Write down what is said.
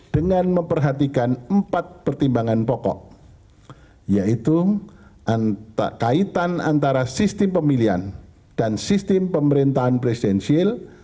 dengan memperhatikan empat pertimbangan pokok yaitu kaitan antara sistem pemilihan dan sistem pemerintahan presidensial